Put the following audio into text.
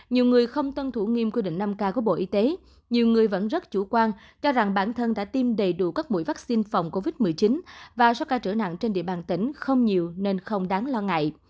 nhiều người không tân thủ nghiêm quy định năm k của bộ y tế nhiều người vẫn rất chủ quan cho rằng bản thân đã tiêm đầy đủ các mũi vaccine phòng covid một mươi chín và số ca trở nặng trên địa bàn tỉnh không nhiều nên không đáng lo ngại